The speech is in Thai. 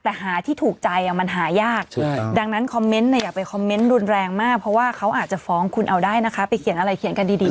แต่หาที่ถูกใจมันหายากดังนั้นคอมเมนต์เนี่ยอย่าไปคอมเมนต์รุนแรงมากเพราะว่าเขาอาจจะฟ้องคุณเอาได้นะคะไปเขียนอะไรเขียนกันดี